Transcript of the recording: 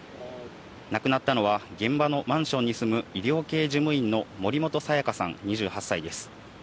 亡くなったのは、現場のマンションに住む医療系事務員の森本彩加さん２８歳です。